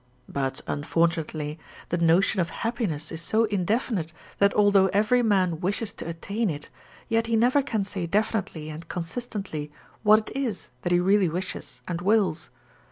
But, unfortunately, the notion of happiness is so indefinite that although every man wishes to attain it, yet he never can say definitely and consistently what it is that he really wishes and wills.